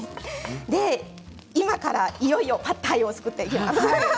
今から、いよいよパッタイを作っていきます。